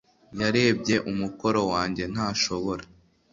yarebye umukoro wanjye, ntashobora